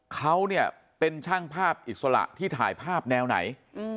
เขาเนี่ยเป็นช่างภาพอิสระที่ถ่ายภาพแนวไหน